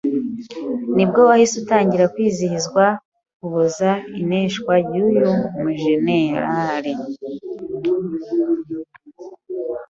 nibwo wahise utangira kwizihizwa mu Kuboza ineshwa ry’uyu mu jeneral